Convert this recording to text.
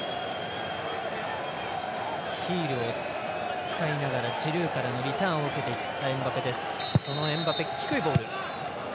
ヒールを使いながらジルーからのリターンを受けていったエムバペ。